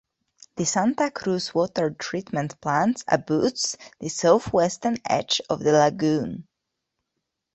The Santa Cruz Water Treatment Plant abuts the southwestern edge of the lagoon.